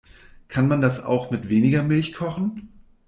Kann man das auch mit weniger Milch kochen?